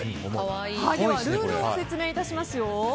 ルールを説明いたしますよ。